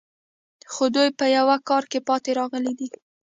خو دوی په یوه کار کې پاتې راغلي دي